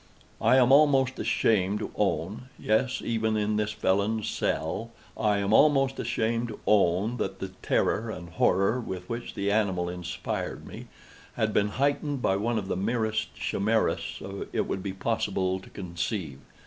I am almost ashamed to own—yes, even in this felon's cell, I am almost ashamed to own—that the terror and horror with which the animal inspired me, had been heightened by one of the merest chimaeras it would be possible to conceive.